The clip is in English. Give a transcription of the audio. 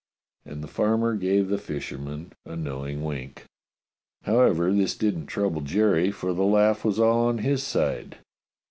'' And the farmer gave the fisherman a kno w 234 A CERTAIN TREE 235 ing wink. However, this didn't trouble Jerry, for the laugh was all on his side.